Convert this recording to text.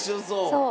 そう。